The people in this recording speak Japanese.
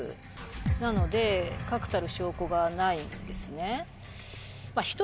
なので確たる証拠がないんですね。